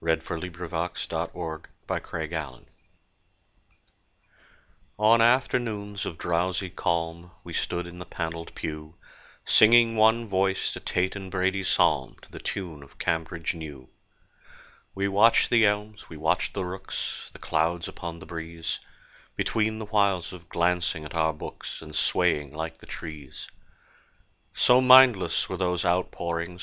AFTERNOON SERVICE AT MELLSTOCK (Circa 1850) ON afternoons of drowsy calm We stood in the panelled pew, Singing one voiced a Tate and Brady psalm To the tune of "Cambridge New." We watched the elms, we watched the rooks, The clouds upon the breeze, Between the whiles of glancing at our books, And swaying like the trees. So mindless were those outpourings!